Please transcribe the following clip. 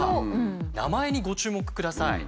名前にご注目ください。